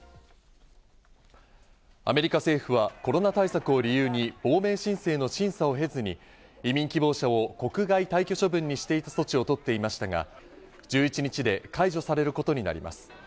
アメリカ政府はコロナ対策を理由に亡命申請の審査を経ずに、移民希望者を国外退去処分にしていた措置を取っていましたが、１１日で解除されることになります。